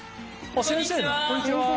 こんにちは。